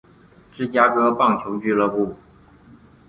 芝加哥棒球俱乐部。